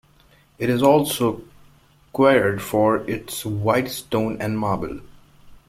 It is also quarried for its white stone and marble.